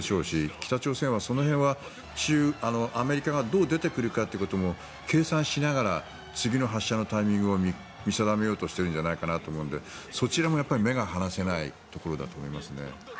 北朝鮮はその辺は、アメリカがどう出てくるかということも計算しながら次の発射のタイミングを見定めようとしているんじゃないかと思うのでそちらも目が離せないところだと思います。